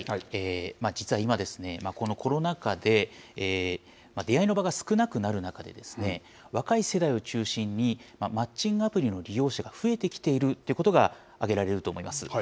実は今、このコロナ禍で出会いの場が少なくなる中で、若い世代を中心に、マッチングアプリの利用者が増えてきているということが挙げられると思います。